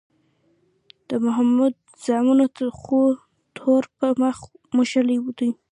د محمود زامنو خو تور په مخ موښلی دی